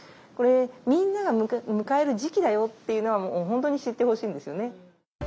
これみんなが迎える時期だよっていうのは本当に知ってほしいんですよね。